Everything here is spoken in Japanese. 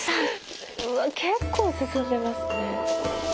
うわ結構進んでますね。